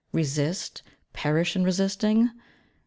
Resist, perish in resisting?